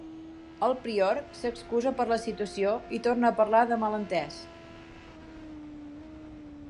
El prior s'excusa per la situació i torna a parlar de malentès.